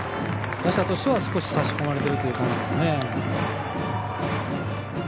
打者としては、少し差し込まれてるという感じですね。